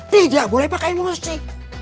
tidak boleh pakai emosi